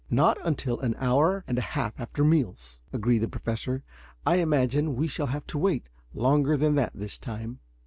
Not until an hour and a half after meals," agreed the Professor. "I imagine we shall have to wait longer than that this time."